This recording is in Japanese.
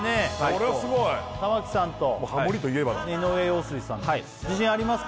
これはすごい玉置さんと井上陽水さんの自信ありますか？